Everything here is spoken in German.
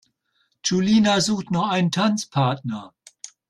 Julina sucht noch einen Tanzpartner.